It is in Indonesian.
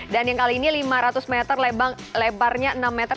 dan yang kali ini lima ratus meter lebarnya enam meter